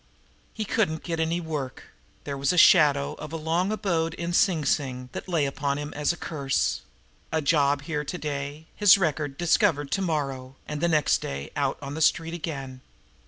He couldn't get any work; there was the shadow of a long abode in Sing Sing that lay upon him as a curse a job here to day, his record discovered to morrow, and the next day out on the street again.